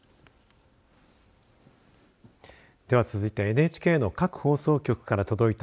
では続いてＮＨＫの各放送局から届いた